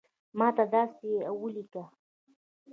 ماته داسی اولیکه